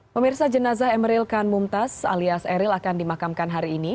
pemirsa jenazah emeril khan mumtaz alias eril akan dimakamkan hari ini